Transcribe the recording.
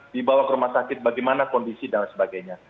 di bawah rumah sakit bagaimana kondisi dan sebagainya